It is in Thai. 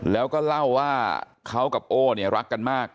แล้วก็เล่าว่าเขากับโอ้เนี่ยรักกันมาก